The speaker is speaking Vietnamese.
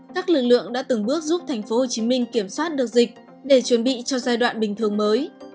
các lực lượng đã từng bước giúp thành phố hồ chí minh kiểm soát được dịch để chuẩn bị cho giai đoạn bình thường mới